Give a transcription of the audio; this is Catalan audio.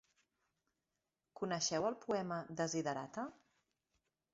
Coneixeu el poema Desiderata?